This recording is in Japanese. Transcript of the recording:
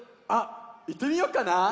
あっいってみようかな。